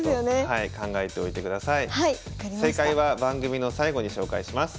正解は番組の最後に紹介します。